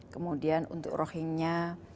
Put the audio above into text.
kemudian untuk rohingya